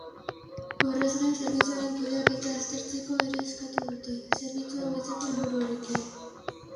Horrez gain, zerbitzuaren kudeaketa aztertzeko ere eskatu dute, zerbitzua hobetzeko helburuarekin.